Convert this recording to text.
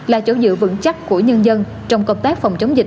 là chỗ dựa vững chắc của nhân dân trong công tác phòng chống dịch